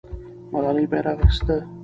ملالۍ بیرغ اخیسته.